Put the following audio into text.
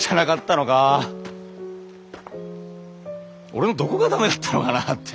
俺のどこが駄目だったのかなって。